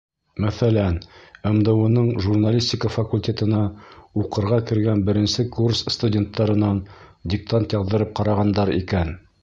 Мәҫәлән, МДУ-ның журналистика факультетына уҡырға кергән беренсе курс студенттарынан диктант яҙҙырып ҡарағандар икән.